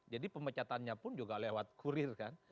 jadi pemecatannya pun juga lewat kurir kan